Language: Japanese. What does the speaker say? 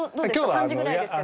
３時ぐらいですけど。